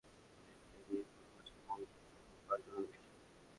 এখন মন্ত্রণালয়ের সিদ্ধান্তের ওপর অনেকটাই নির্ভর করছে বর্জ্য সংগ্রহ কার্যক্রমের বিষয়টি।